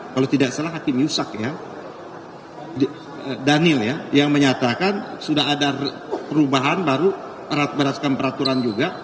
kalau tidak salah hakim yusak ya daniel ya yang menyatakan sudah ada perubahan baru berdasarkan peraturan juga